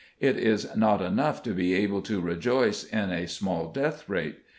It is not enough to be able to rejoice in a small death rate.